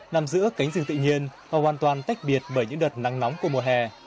nằm giữa cánh rừng tự nhiên họ hoàn toàn tách biệt bởi những đợt nắng nóng của mùa hè